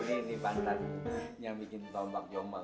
ini bantan yang bikin tombak jombang